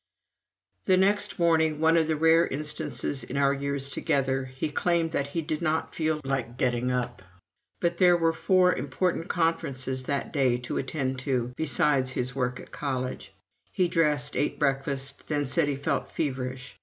The next morning, one of the rare instances in our years together, he claimed that he did not feel like getting up. But there were four important conferences that day to attend to, besides his work at college. He dressed, ate breakfast, then said he felt feverish.